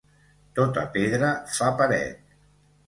Tota pedra fa paret